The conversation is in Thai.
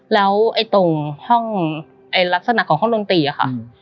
แล้วตรงห้องลักษณะของห้องดนตรีอะค่ะ